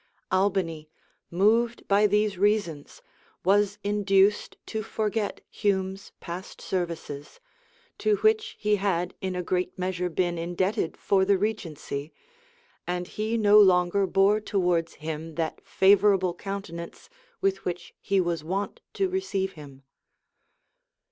Albany, moved by these reasons, was induced to forget Hume's past services, to which he had in a great measure been indebted for the regency; and he no longer bore towards him that favorable countenance with which he was wont to receive him.